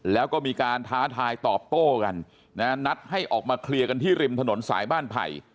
แล้วก็มีการท้าทายตอบโต้กันนะนัดให้ออกมาเคลียร์กันที่ริมถนนสายบ้านไผ่